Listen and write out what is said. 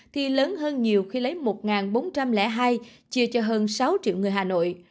thì lớn hơn nhiều khi lấy một bốn trăm linh hai chia cho hơn sáu triệu người hà nội